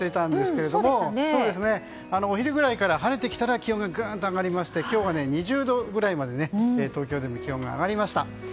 お昼ぐらいから晴れてきたら気温がグーンと上がりまして今日は２０度ぐらいまで東京でも気温が上がりました。